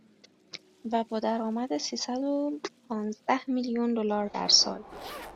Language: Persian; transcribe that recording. و با درآمد سیصد و پانزده میلیون دلار در سال